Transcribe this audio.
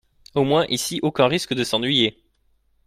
Au moins, ici, aucun risque de s’ennuyer!